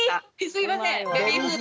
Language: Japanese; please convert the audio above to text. すいません